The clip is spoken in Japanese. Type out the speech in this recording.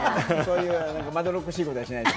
まどろっこしいことはしないので。